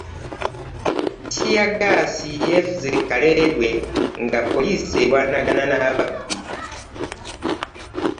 Ttiiyaggaasi yeefuze e Kalerwe nga poliisi erwanagana n'ababbi.